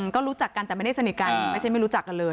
ก็รู้จักกันแต่ไม่ได้สนิทกันไม่ใช่ไม่รู้จักกันเลย